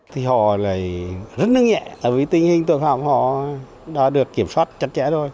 thì họ lại rất nâng nhẹ vì tình hình tội phạm họ đã được kiểm soát chặt chẽ thôi